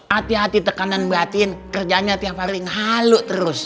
hati hati tekanan batin kerjanya tiap hari ngalu terus